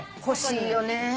欲しいよね。